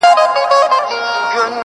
سر مي لوڅ دی پښې مي لوڅي په تن خوار یم-